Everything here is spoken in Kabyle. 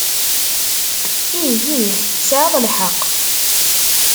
Ih, ih, tesɛiḍ lḥeqq.